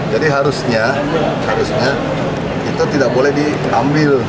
jadi harusnya harusnya itu tidak boleh diambil